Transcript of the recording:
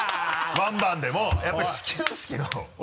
１バウンドでもやっぱり始球式の俺